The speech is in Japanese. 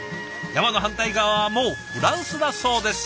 山の反対側はもうフランスだそうです。